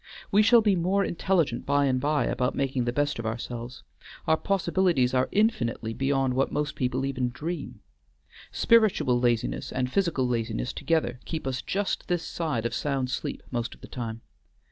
We shall be more intelligent by and by about making the best of ourselves; our possibilities are infinitely beyond what most people even dream. Spiritual laziness and physical laziness together keep us just this side of sound sleep most of the time.